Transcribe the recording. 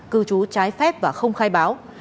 cư trú trái phép và không khai báo